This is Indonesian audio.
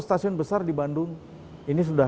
stasiun besar di bandung ini sudah